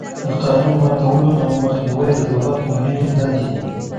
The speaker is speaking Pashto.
د قانون ماتولو نه مخنیوی د دولت مهمې دندې دي.